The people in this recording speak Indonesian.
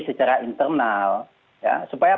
secara internal supaya